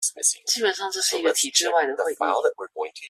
基本上這是一個體制外的會議